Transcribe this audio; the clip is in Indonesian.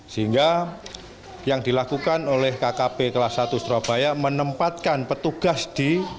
sehingga yang dilakukan oleh kkp kelas satu surabaya menempatkan petugas di